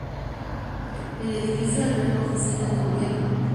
El edificio alberga oficinas de gobierno.